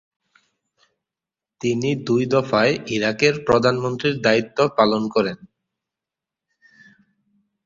তিনি দুই দফায় ইরাকের প্রধানমন্ত্রীর দায়িত্ব পালন করেন।